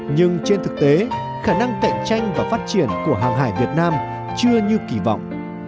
nhưng trên thực tế khả năng cạnh tranh và phát triển của hàng hải việt nam chưa như kỳ vọng